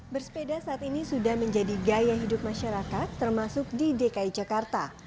bersepeda saat ini sudah menjadi gaya hidup masyarakat termasuk di dki jakarta